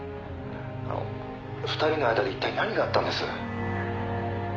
「２人の間で一体何があったんです？」